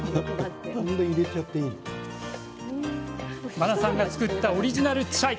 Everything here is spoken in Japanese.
茉奈さんが作ったオリジナルチャイ。